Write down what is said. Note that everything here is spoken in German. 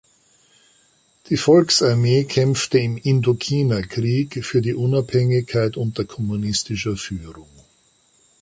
Die Volksarmee kämpfte im Indochinakrieg für die Unabhängigkeit unter kommunistischer Führung.